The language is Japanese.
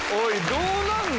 どうなんの？